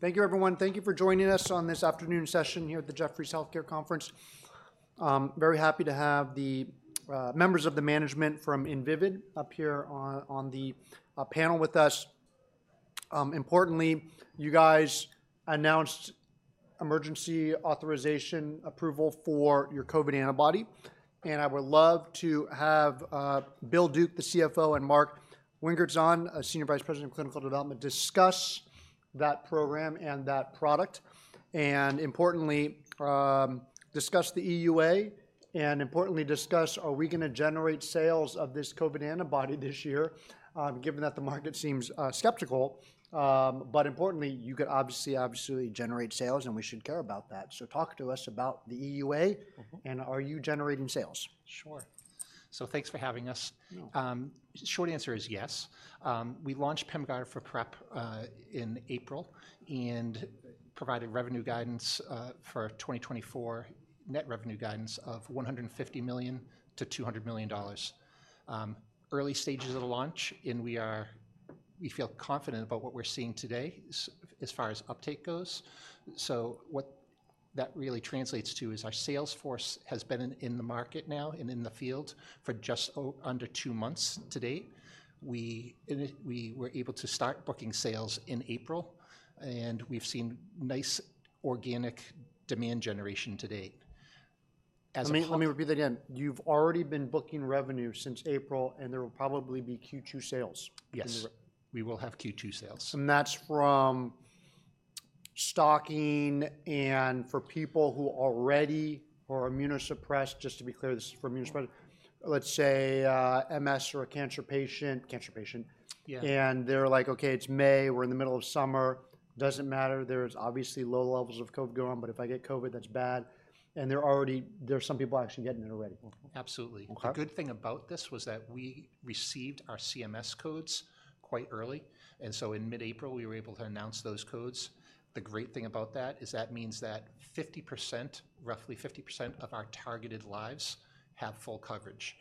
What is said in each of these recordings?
Thank you, everyone. Thank you for joining us on this afternoon session here at the Jefferies Healthcare Conference. Very happy to have the members of the management from Invivyd up here on the panel with us. Importantly, you guys announced emergency authorization approval for your COVID antibody. And I would love to have Bill Duke, the CFO, and Mark Wingertzahn, Senior Vice President of Clinical Development, discuss that program and that product. And importantly, discuss the EUA. And importantly, discuss are we going to generate sales of this COVID antibody this year, given that the market seems skeptical. But importantly, you could obviously, obviously generate sales, and we should care about that. So talk to us about the EUA. And are you generating sales? Sure. Thanks for having us. Short answer is yes. We launched PEMGARDA for PrEP in April and provided revenue guidance for 2024, net revenue guidance of $150 million-$200 million. Early stages of the launch, and we feel confident about what we're seeing today as far as uptake goes. What that really translates to is our sales force has been in the market now and in the field for just under two months to date. We were able to start booking sales in April, and we've seen nice organic demand generation to date. Let me repeat that again. You've already been booking revenue since April, and there will probably be Q2 sales. Yes, we will have Q2 sales. And that's from stocking and for people who already are immunosuppressed. Just to be clear, this is for immunosuppressed. Let's say MS or a cancer patient, cancer patient. And they're like, okay, it's May, we're in the middle of summer. Doesn't matter. There's obviously low levels of COVID going on, but if I get COVID, that's bad. And there are already, there's some people actually getting it already. Absolutely. The good thing about this was that we received our CMS codes quite early. And so in mid-April, we were able to announce those codes. The great thing about that is that means that 50%, roughly 50% of our targeted lives have full coverage.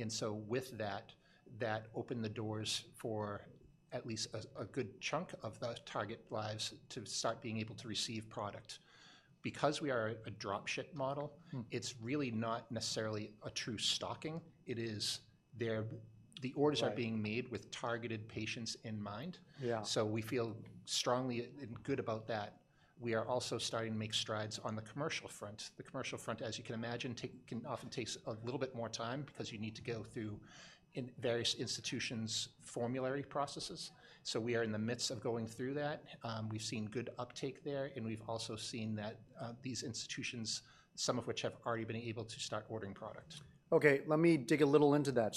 And so with that, that opened the doors for at least a good chunk of the target lives to start being able to receive product. Because we are a dropship model, it's really not necessarily a true stocking. It is there. The orders are being made with targeted patients in mind. So we feel strongly and good about that. We are also starting to make strides on the commercial front. The commercial front, as you can imagine, often takes a little bit more time because you need to go through various institutions' formulary processes. So we are in the midst of going through that. We've seen good uptake there. We've also seen that these institutions, some of which have already been able to start ordering product. Okay, let me dig a little into that.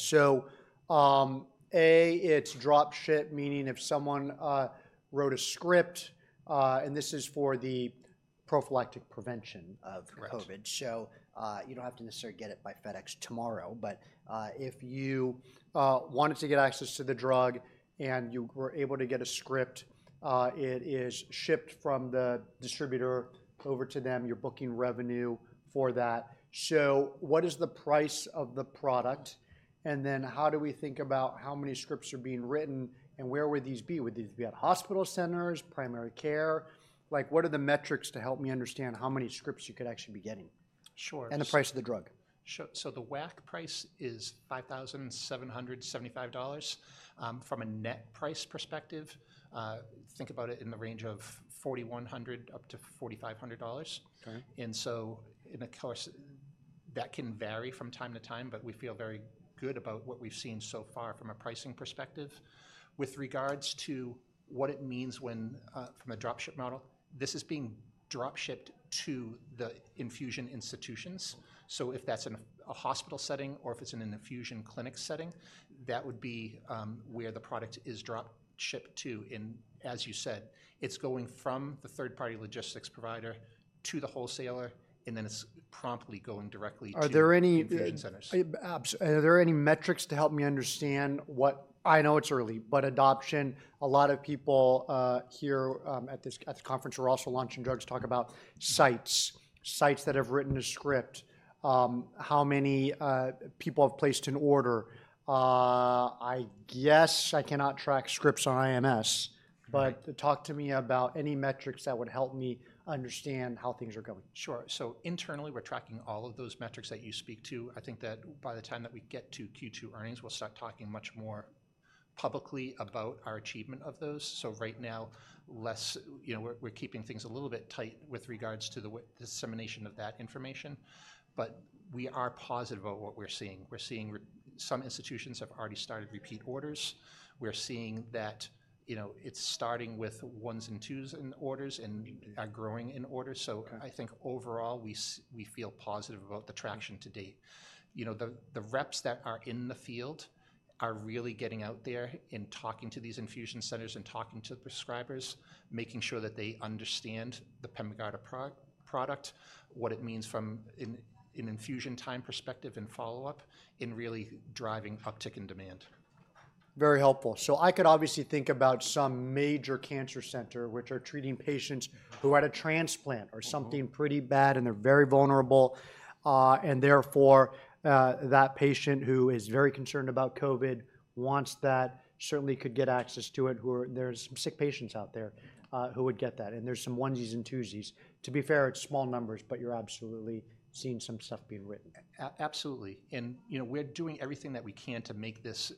So, A, it's dropship, meaning if someone wrote a script, and this is for the prophylactic prevention of COVID. So you don't have to necessarily get it by FedEx tomorrow. But if you wanted to get access to the drug and you were able to get a script, it is shipped from the distributor over to them. You're booking revenue for that. So what is the price of the product? And then how do we think about how many scripts are being written? And where would these be? Would these be at hospital centers, primary care? Like what are the metrics to help me understand how many scripts you could actually be getting? And the price of the drug? So the WAC price is $5,775 from a net price perspective. Think about it in the range of $4,100-$4,500. And so of course, that can vary from time to time, but we feel very good about what we've seen so far from a pricing perspective. With regards to what it means when from a dropship model, this is being dropshipped to the infusion institutions. So if that's in a hospital setting or if it's in an infusion clinic setting, that would be where the product is dropshipped to. And as you said, it's going from the third-party logistics provider to the wholesaler, and then it's promptly going directly to the infusion centers. Are there any metrics to help me understand? I know it's early, but adoption, a lot of people here at this conference are also launching drugs. Talk about sites, sites that have written a script, how many people have placed an order. I guess I cannot track scripts on IMS, but talk to me about any metrics that would help me understand how things are going. Sure. So internally, we're tracking all of those metrics that you speak to. I think that by the time that we get to Q2 earnings, we'll start talking much more publicly about our achievement of those. So right now, less, you know, we're keeping things a little bit tight with regards to the dissemination of that information. But we are positive about what we're seeing. We're seeing some institutions have already started repeat orders. We're seeing that, you know, it's starting with ones and twos in orders and are growing in orders. So I think overall, we feel positive about the traction to date. You know, the reps that are in the field are really getting out there and talking to these infusion centers and talking to the prescribers, making sure that they understand the PEMGARDA product, what it means from an infusion time perspective and follow-up and really driving uptick in demand. Very helpful. So I could obviously think about some major cancer center, which are treating patients who had a transplant or something pretty bad and they're very vulnerable. And therefore, that patient who is very concerned about COVID wants that, certainly could get access to it. There's some sick patients out there who would get that. And there's some onesies and twosies. To be fair, it's small numbers, but you're absolutely seeing some stuff being written. Absolutely. And you know, we're doing everything that we can to make this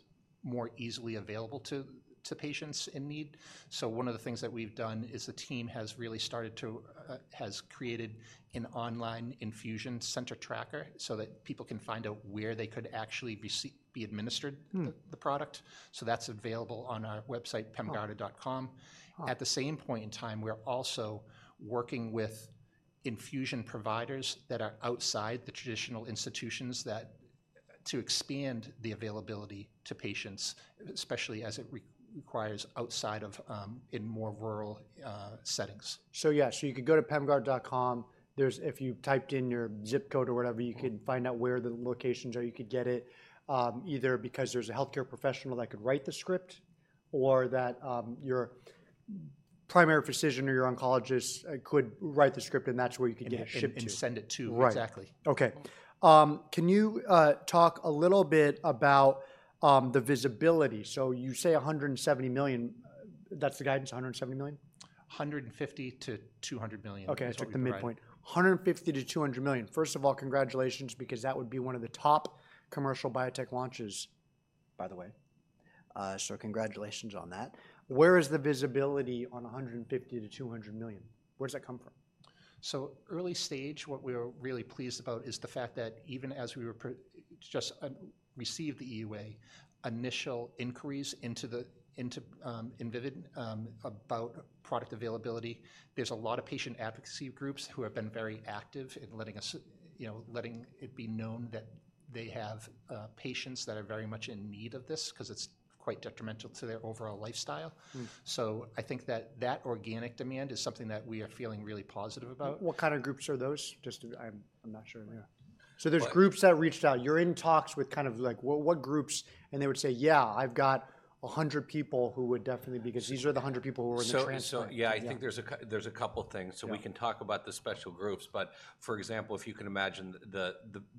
more easily available to patients in need. So one of the things that we've done is the team has created an online infusion center tracker so that people can find out where they could actually be administered the product. So that's available on our website, pemgarda.com. At the same point in time, we're also working with infusion providers that are outside the traditional institutions to expand the availability to patients, especially as it requires outside of in more rural settings. So yeah, so you could go to pemgarda.com. There's, if you typed in your zip code or whatever, you could find out where the locations are. You could get it either because there's a healthcare professional that could write the script or that your primary physician or your oncologist could write the script and that's where you could get it shipped to. Send it to exactly. Okay. Can you talk a little bit about the visibility? So you say $170 million. That's the guidance, $170 million? $150 million-$200 million. Okay, I took the midpoint. $150 million-$200 million. First of all, congratulations, because that would be one of the top commercial biotech launches. By the way. So congratulations on that. Where is the visibility on $150-$200 million? Where does that come from? So early stage, what we're really pleased about is the fact that even as we just received the EUA, initial inquiries into Invivyd about product availability. There's a lot of patient advocacy groups who have been very active in letting us, you know, letting it be known that they have patients that are very much in need of this because it's quite detrimental to their overall lifestyle. So I think that that organic demand is something that we are feeling really positive about. What kind of groups are those? Just, I'm not sure. So there's groups that reached out. You're in talks with kind of like what groups? And they would say, yeah, I've got 100 people who would definitely be because these are the 100 people who are in the transit line. Yeah, I think there's a couple of things. So we can talk about the special groups. But for example, if you can imagine the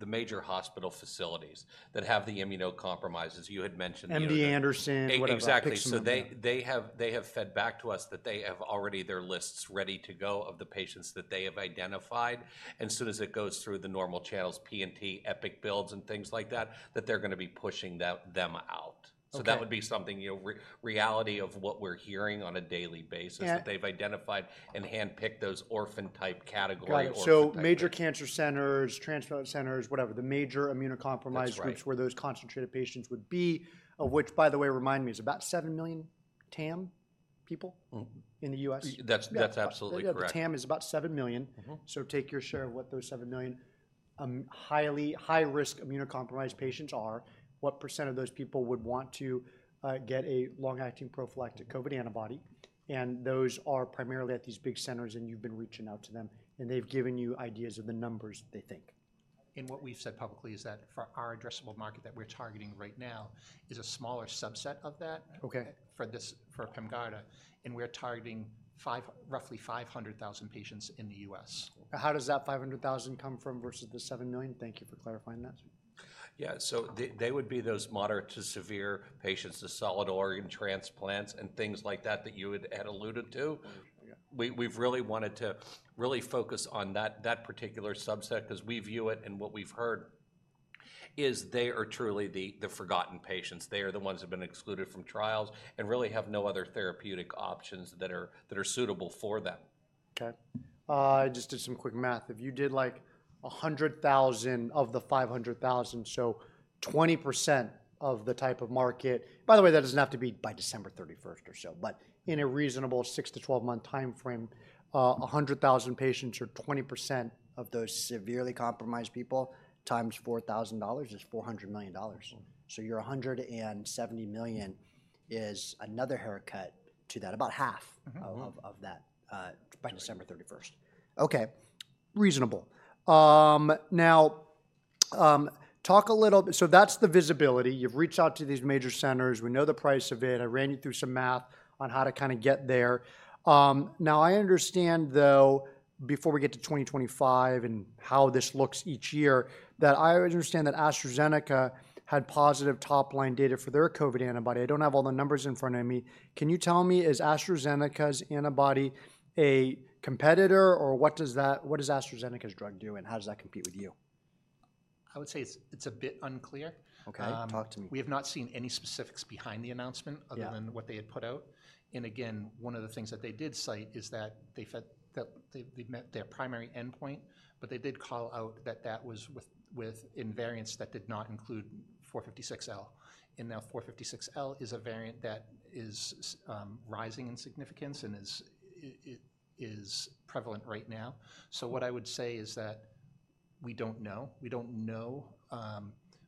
major hospital facilities that have the immunocompromised, you had mentioned. MD Anderson. Exactly. So they have fed back to us that they have already their lists ready to go of the patients that they have identified. And as soon as it goes through the normal channels, P&T, Epic builds and things like that, that they're going to be pushing them out. So that would be something, you know, reality of what we're hearing on a daily basis that they've identified and handpicked those orphan-type categories. Right. So major cancer centers, transplant centers, whatever, the major immunocompromised groups where those concentrated patients would be, which by the way, remind me, is about 7 million TAM people in the U.S. That's absolutely correct. TAM is about 7 million. So take your share of what those 7 million highly high-risk immunocompromised patients are. What % of those people would want to get a long-acting prophylactic COVID antibody? And those are primarily at these big centers, and you've been reaching out to them, and they've given you ideas of the numbers they think. What we've said publicly is that for our addressable market that we're targeting right now is a smaller subset of that for PEMGARDA. We're targeting roughly 500,000 patients in the U.S. How does that 500,000 come from versus the 7 million? Thank you for clarifying that. Yeah, so they would be those moderate to severe patients, the solid organ transplants and things like that that you had alluded to. We've really wanted to really focus on that particular subset because we view it and what we've heard is they are truly the forgotten patients. They are the ones who have been excluded from trials and really have no other therapeutic options that are suitable for them. Okay. I just did some quick math. If you did like 100,000 of the 500,000, so 20% of the type of market, by the way, that doesn't have to be by December 31st or so, but in a reasonable 6-12 month timeframe, 100,000 patients or 20% of those severely compromised people times $4,000 is $400 million. So your $170 million is another haircut to that, about half of that by December 31st. Okay, reasonable. Now talk a little. So that's the visibility. You've reached out to these major centers. We know the price of it. I ran you through some math on how to kind of get there. Now I understand though, before we get to 2025 and how this looks each year, that I understand that AstraZeneca had positive top line data for their COVID antibody. I don't have all the numbers in front of me. Can you tell me, is AstraZeneca's antibody a competitor or what does AstraZeneca's drug do and how does that compete with you? I would say it's a bit unclear. Okay, talk to me. We have not seen any specifics behind the announcement other than what they had put out. And again, one of the things that they did cite is that they met their primary endpoint, but they did call out that that was with variants that did not include F456L. And now F456L is a variant that is rising in significance and is prevalent right now. So what I would say is that we don't know. We don't know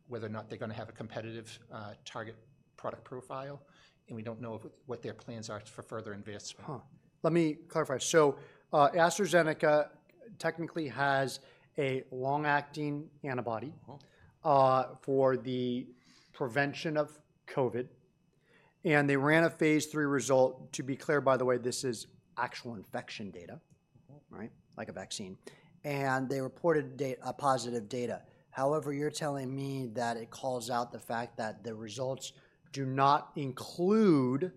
whether or not they're going to have a competitive target product profile. And we don't know what their plans are for further investment. Let me clarify. So AstraZeneca technically has a long-acting antibody for the prevention of COVID. And they ran a phase III result. To be clear, by the way, this is actual infection data, right? Like a vaccine. And they reported positive data. However, you're telling me that it calls out the fact that the results do not include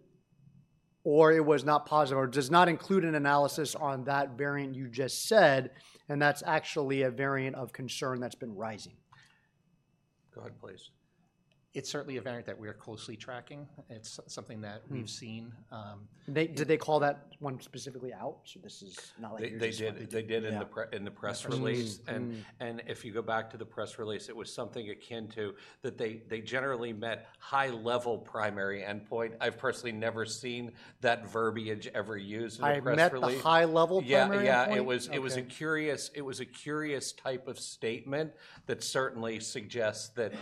or it was not positive or does not include an analysis on that variant you just said. And that's actually a variant of concern that's been rising. Go ahead, please. It's certainly a variant that we are closely tracking. It's something that we've seen. Did they call that one specifically out? This is not like they did in the press release. If you go back to the press release, it was something akin to that they generally met high-level primary endpoint. I've personally never seen that verbiage ever used in the press release. High-level primary endpoint. Yeah, it was a curious type of statement that certainly suggests that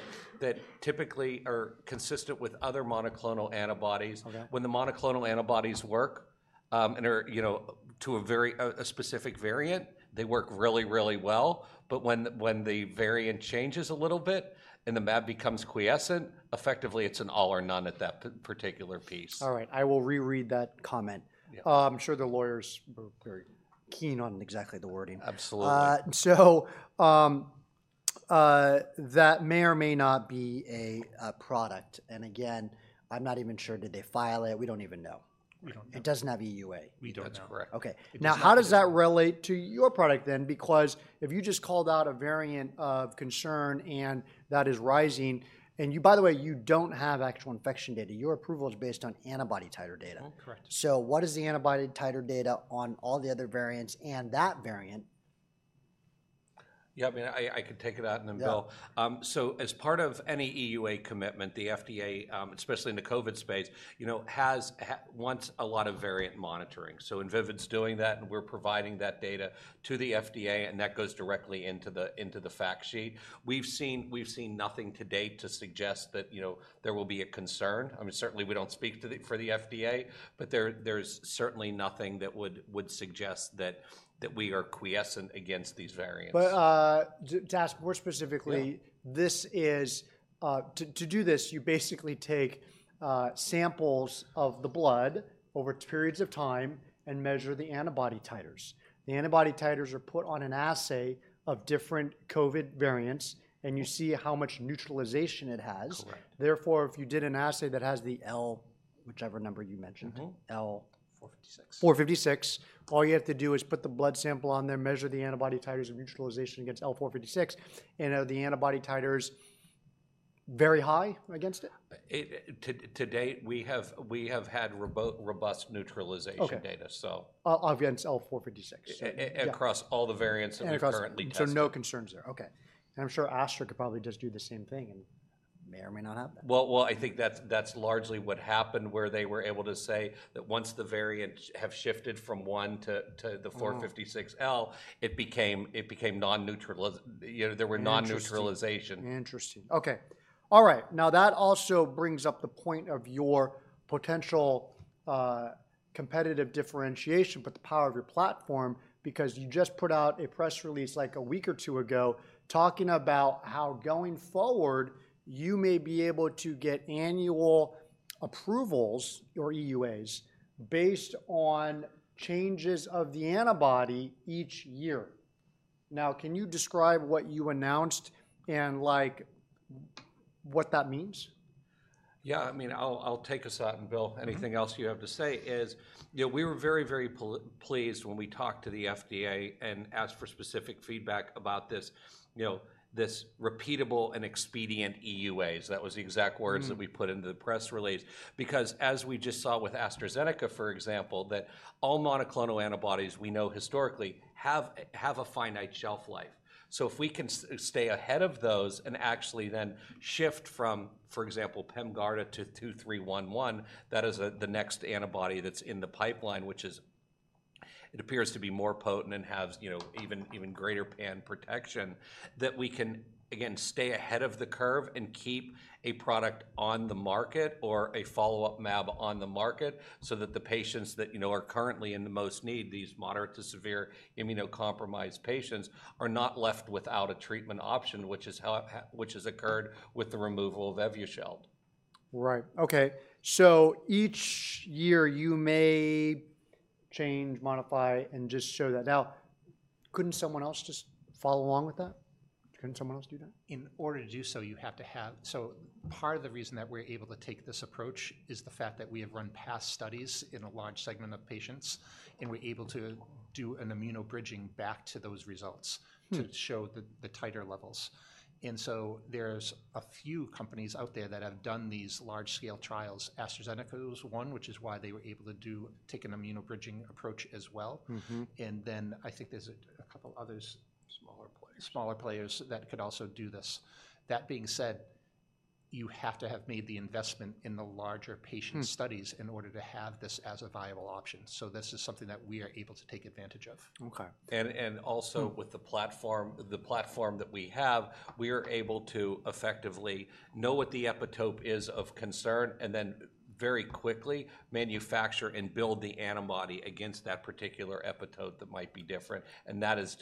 typically are consistent with other monoclonal antibodies. When the monoclonal antibodies work and are, you know, to a very specific variant, they work really, really well. But when the variant changes a little bit and the mAb becomes quiescent, effectively it's an all or none at that particular piece. All right. I will reread that comment. I'm sure the lawyers were very keen on exactly the wording. Absolutely. That may or may not be a product. Again, I'm not even sure. Did they file it? We don't even know. It doesn't have EUA. We don't. That's correct. Okay. Now, how does that relate to your product then? Because if you just called out a variant of concern and that is rising and you, by the way, you don't have actual infection data, your approval is based on antibody titer data. So what is the antibody titer data on all the other variants and that variant? Yeah, I mean, I could take it out and then Bill. So as part of any EUA commitment, the FDA, especially in the COVID space, you know, has asked for a lot of variant monitoring. So Invivyd is doing that and we're providing that data to the FDA and that goes directly into the fact sheet. We've seen nothing to date to suggest that, you know, there will be a concern. I mean, certainly we don't speak for the FDA, but there's certainly nothing that would suggest that we are quiescent against these variants. But to ask more specifically, this is to do this, you basically take samples of the blood over periods of time and measure the antibody titers. The antibody titers are put on an assay of different COVID variants and you see how much neutralization it has. Therefore, if you did an assay that has the F456L, whichever number you mentioned, F456L, all you have to do is put the blood sample on there, measure the antibody titers of neutralization against F456L and the antibody titers very high against it? To date, we have had robust neutralization data, so. Against L456. Across all the variants that we currently test. No concerns there. Okay. I'm sure Astra could probably just do the same thing and may or may not have that. Well, I think that's largely what happened where they were able to say that once the variants have shifted from one to the F456L, it became non-neutral. There were non-neutralization. Interesting. Okay. All right. Now that also brings up the point of your potential competitive differentiation, but the power of your platform because you just put out a press release like a week or 2 ago talking about how going forward you may be able to get annual approvals or EUAs based on changes of the antibody each year. Now, can you describe what you announced and like what that means? Yeah, I mean, I'll take a shot and Bill, anything else you have to say is, you know, we were very, very pleased when we talked to the FDA and asked for specific feedback about this, you know, this repeatable and expedient EUAs. That was the exact words that we put into the press release. Because as we just saw with AstraZeneca, for example, that all monoclonal antibodies we know historically have a finite shelf life. So if we can stay ahead of those and actually then shift from, for example, PEMGARDA to VYD2311, that is the next antibody that's in the pipeline, which is, it appears to be more potent and has, you know, even greater pan protection, that we can again stay ahead of the curve and keep a product on the market or a follow-up mAb on the market so that the patients that, you know, are currently in the most need, these moderate to severe immunocompromised patients are not left without a treatment option, which has occurred with the removal of Evusheld. Right. Okay. So each year you may change, modify and just show that. Now, couldn't someone else just follow along with that? Couldn't someone else do that? In order to do so, you have to have, so part of the reason that we're able to take this approach is the fact that we have run past studies in a large segment of patients and we're able to do an immunobridging back to those results to show the titer levels. And so there's a few companies out there that have done these large-scale trials. AstraZeneca was one, which is why they were able to take an immunobridging approach as well. And then I think there's a couple others, smaller players that could also do this. That being said, you have to have made the investment in the larger patient studies in order to have this as a viable option. So this is something that we are able to take advantage of. Okay. And also with the platform that we have, we are able to effectively know what the epitope is of concern and then very quickly manufacture and build the antibody against that particular epitope that might be different. And that is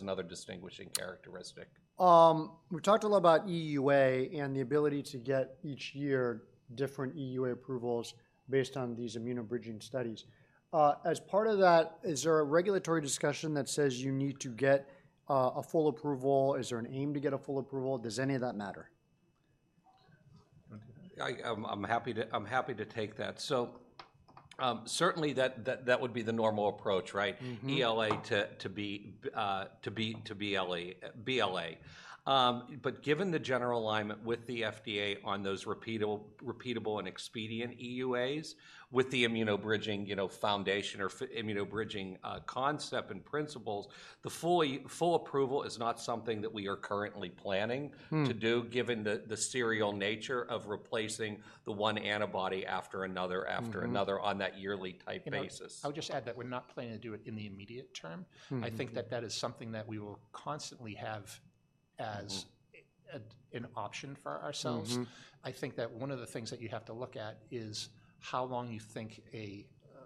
another distinguishing characteristic. We've talked a lot about EUA and the ability to get each year different EUA approvals based on these immunobridging studies. As part of that, is there a regulatory discussion that says you need to get a full approval? Is there an aim to get a full approval? Does any of that matter? I'm happy to take that. So certainly that would be the normal approach, right? EUA to BLA. But given the general alignment with the FDA on those repeatable and expedient EUAs with the immunobridging, you know, foundation or immunobridging concept and principles, the full approval is not something that we are currently planning to do given the serial nature of replacing the one antibody after another after another on that yearly type basis. I would just add that we're not planning to do it in the immediate term. I think that that is something that we will constantly have as an option for ourselves. I think that one of the things that you have to look at is how long you think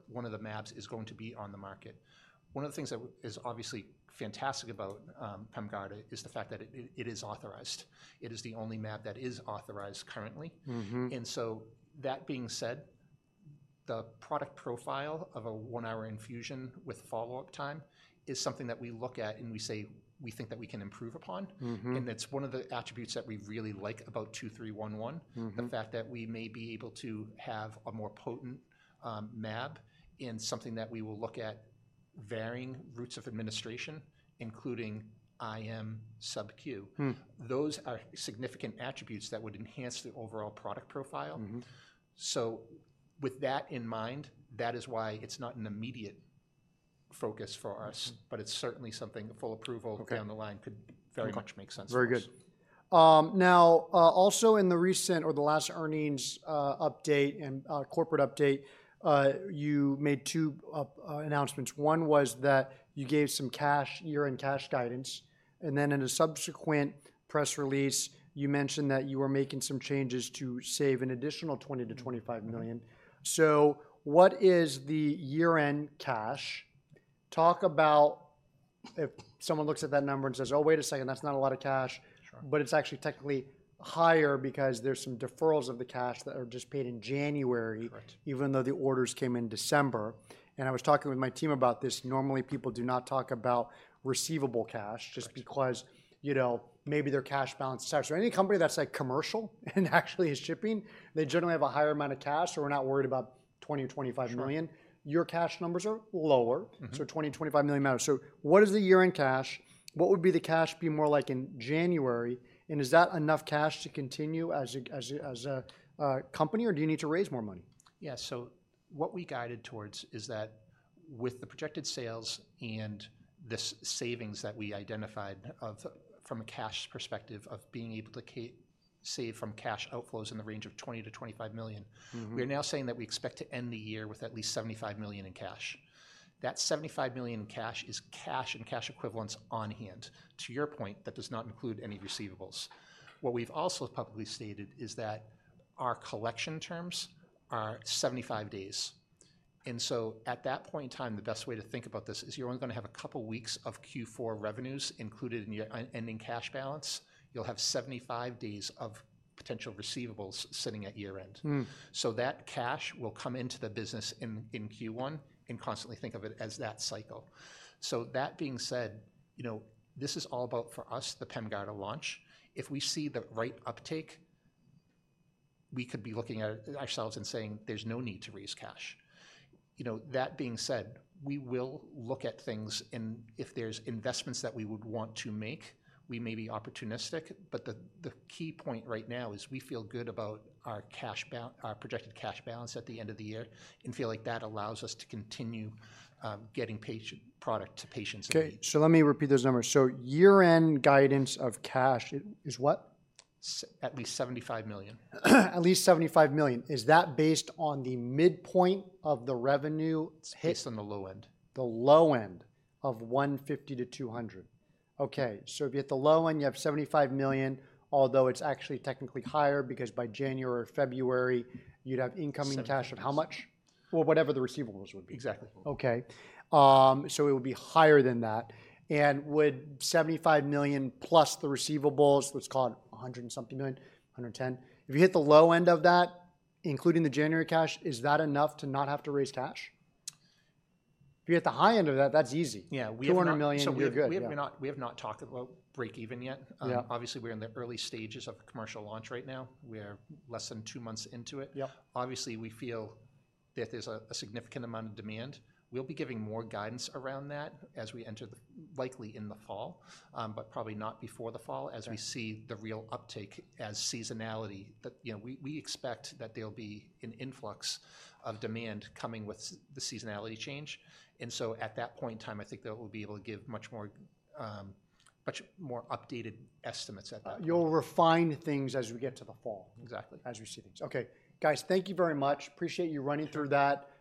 one of the mAbs is going to be on the market. One of the things that is obviously fantastic about PEMGARDA is the fact that it is authorized. It is the only mAb that is authorized currently. And so that being said, the product profile of a one-hour infusion with follow-up time is something that we look at and we say we think that we can improve upon. That's one of the attributes that we really like about 2311, the fact that we may be able to have a more potent mAb and something that we will look at varying routes of administration, including IM SubQ. Those are significant attributes that would enhance the overall product profile. So with that in mind, that is why it's not an immediate focus for us, but it's certainly something full approval down the line could very much make sense. Very good. Now, also in the recent or the last earnings update and corporate update, you made two announcements. One was that you gave some cash, year-end cash guidance. Then in a subsequent press release, you mentioned that you were making some changes to save an additional $20 million-$25 million. What is the year-end cash? Talk about if someone looks at that number and says, "Oh, wait a second, that's not a lot of cash," but it's actually technically higher because there's some deferrals of the cash that are just paid in January, even though the orders came in December. I was talking with my team about this. Normally, people do not talk about receivable cash just because, you know, maybe their cash balance is higher. So any company that's like commercial and actually is shipping, they generally have a higher amount of cash or we're not worried about $20 million or $25 million. Your cash numbers are lower. So $20 million, $25 million matters. So what is the year-end cash? What would be the cash be more like in January? And is that enough cash to continue as a company or do you need to raise more money? Yeah. So what we guided towards is that with the projected sales and the savings that we identified from a cash perspective of being able to save from cash outflows in the range of $20 million-$25 million, we are now saying that we expect to end the year with at least $75 million in cash. That $75 million in cash is cash and cash equivalents on hand. To your point, that does not include any receivables. What we've also publicly stated is that our collection terms are 75 days. And so at that point in time, the best way to think about this is you're only going to have a couple of weeks of Q4 revenues included in your ending cash balance. You'll have 75 days of potential receivables sitting at year-end. So that cash will come into the business in Q1 and constantly think of it as that cycle. So that being said, you know, this is all about for us, the PEMGARDA launch. If we see the right uptake, we could be looking at ourselves and saying there's no need to raise cash. You know, that being said, we will look at things and if there's investments that we would want to make, we may be opportunistic, but the key point right now is we feel good about our projected cash balance at the end of the year and feel like that allows us to continue getting product to patients. Okay. So let me repeat those numbers. So year-end guidance of cash is what? At least 75 million. At least $75 million. Is that based on the midpoint of the revenue? It's on the low end. The low end of 150-200. Okay. So if you're at the low end, you have $75 million, although it's actually technically higher because by January, February, you'd have incoming cash of how much? Well, whatever the receivables would be. Exactly. Okay. So it would be higher than that. Would $75 million plus the receivables, let's call it $100 and something million, $110 million, if you hit the low end of that, including the January cash, is that enough to not have to raise cash? If you hit the high end of that, that's easy. Yeah. 200 million, you're good. We have not talked about break-even yet. Obviously, we're in the early stages of commercial launch right now. We are less than two months into it. Obviously, we feel that there's a significant amount of demand. We'll be giving more guidance around that as we enter likely in the fall, but probably not before the fall as we see the real uptake as seasonality. You know, we expect that there'll be an influx of demand coming with the seasonality change. And so at that point in time, I think that we'll be able to give much more updated estimates at that point. You'll refine things as we get to the fall. Exactly. As we see things. Okay. Guys, thank you very much. Appreciate you running through that.